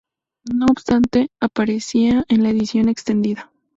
No obstante, aparecería en la edición extendida.